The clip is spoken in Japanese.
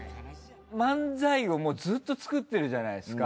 漫才をもうずっと作ってるじゃないですか。